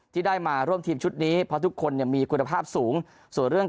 ที่ได้มาร่วมทีมชุดนี้เพราะทุกคนเนี่ยมีคุณภาพสูงส่วนเรื่อง